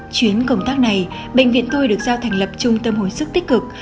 chuyến công tác này bệnh viện tôi được giao thành lập trung tâm hồi sức tích cực